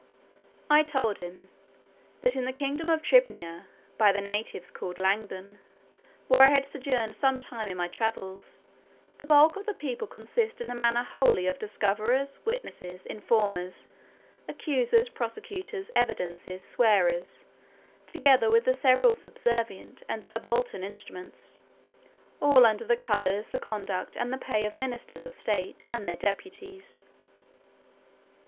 I told him, "that in the kingdom of Tribnia, [454a] by the natives called Langden, [454b] where I had sojourned some time in my travels, the bulk of the people consist in a manner wholly of discoverers, witnesses, informers, accusers, prosecutors, evidences, swearers, together with their several subservient and subaltern instruments, all under the colours, the conduct, and the pay of ministers of state, and their deputies.